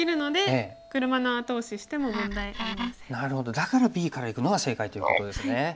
だからＢからいくのが正解ということですね。